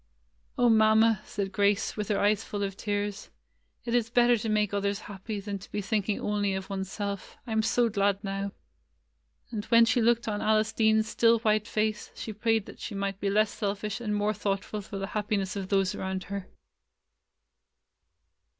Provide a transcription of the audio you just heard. "O Mamma !" said Grace, with her eyes full of tears, "it is better to make others happy than to be thinking only of one's self. I am so glad now !" And when she looked on Alice Dean's still white face, she prayed that she might be less selfish and more thoughtful for the happiness of those around her.